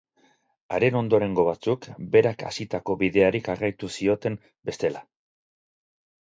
Haren ondorengo batzuk berak hasitako bideari jarraitu zioten bestela.